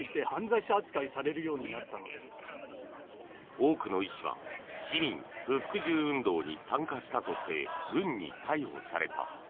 多くの医師は市民不服従運動に参加したとして軍に逮捕された。